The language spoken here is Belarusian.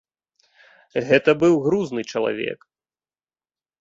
Гэта быў грузны чалавек.